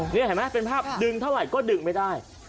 นี่เห็นไหมเป็นภาพดึงเท่าไหร่ก็ดึงไม่ได้